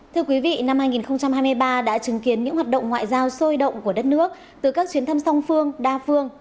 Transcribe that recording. thưa quý vị năm hai nghìn hai mươi ba đã chứng kiến những hoạt động ngoại giao sôi động của đất nước từ các chuyến thăm song phương đa phương